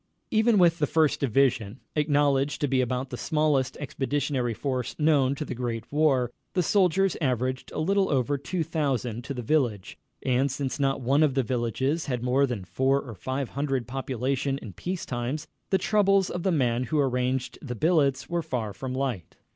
Even with the First Division, acknowledged to be about the smallest expeditionary force known to the Great War, the soldiers averaged a little over two thousand to the village, and since not one of the villages had more than four or five hundred population in peace times, the troubles of the man who arranged the billets were far from light.